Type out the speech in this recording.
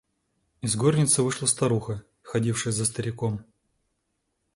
Из горницы вышла старуха, ходившая за стариком.